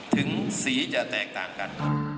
ถึงสีจะแตกต่างกัน